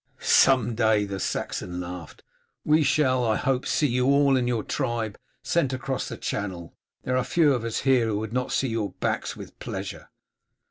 "Some day," the Saxon laughed, "we shall, I hope, see you and all your tribe sent across the Channel. There are few of us here who would not see your backs with pleasure."